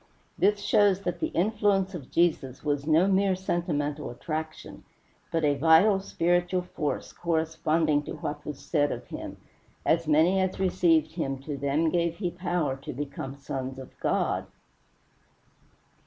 This shows that the influence of Jesus was no mere sentimental attraction, but a vital, spiritual force, corresponding to what was said of him: "As many as received him to them gave he power to become sons of God."